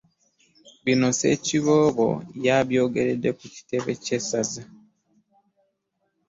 Bino Ssekiboobo yabyogeredde ku kitebe ky'essaza